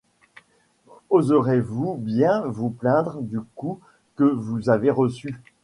Oserez-vous bien vous plaindre du coup que vous avez reçu ?